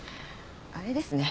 あれですね。